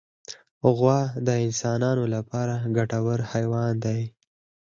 غوا د انسان لپاره ګټور حیوان دی.